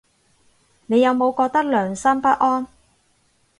你有冇覺得良心不安